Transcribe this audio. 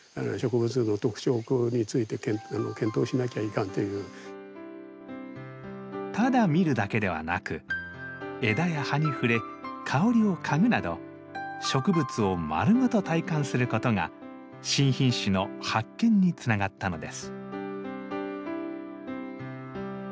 先生の教えではただ見るだけではなく枝や葉に触れ香りを嗅ぐなど植物を丸ごと体感することが新品種の発見につながったのです。